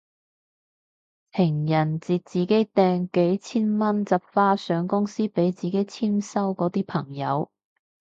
情人節自己訂幾千蚊紮花上公司俾自己簽收嗰啲朋友